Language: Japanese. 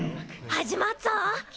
始まっぞ！